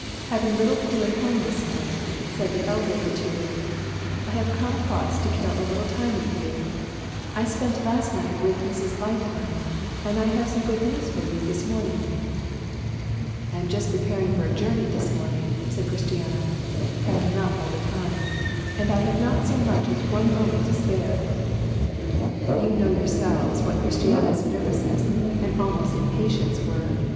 "Having little to do at home this morning," said the elder of the two women, "I have come across to kill a little time with you. I spent last night with Mrs. Light mind, and I have some good news for you this morning." "I am just preparing for a journey this morning," said Christiana, packing up all the time, "and I have not so much as one moment to spare." You know yourselves what Christiana's nervousness and almost impatience were.